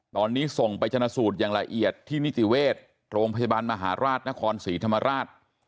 ตอนนี้ส่งไปชนะสูตรอย่างละเอียดที่นิติเวชโรงพยาบาลมหาราชนครศรีธรรมราช